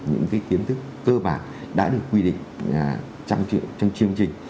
những cái kiến thức cơ bản đã được quy định trong chương trình